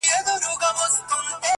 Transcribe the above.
زموږه دوو زړونه دي تل د محبت مخته وي.